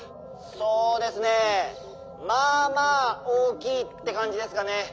そうですね「まあまあ大きい」ってかんじですかね。